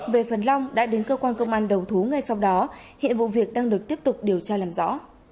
về phần long đã đến cơ quan công an đầu thú ngay sau đó hiện vụ việc đang được tiếp tục điều tra làm rõ